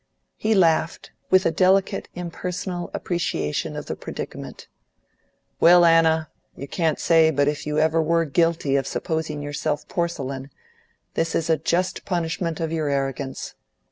He laughed, with a delicate impersonal appreciation of the predicament. "Well, Anna, you can't say but if you ever were guilty of supposing yourself porcelain, this is a just punishment of your arrogance.